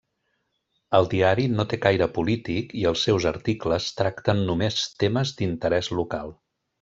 El diari no té caire polític i els seus articles tracten només temes d'interès local.